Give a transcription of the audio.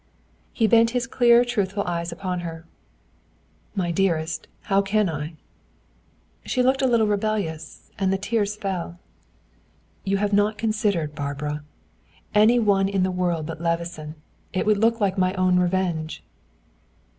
He bent his clear, truthful eyes upon her. "My dearest, how can I?" She looked a little rebellious, and the tears fell. "You have not considered, Barbara. Any one in the world but Levison; it would look like my own revenge."